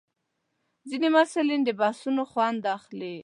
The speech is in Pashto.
ځینې محصلین د بحثونو خوند اخلي.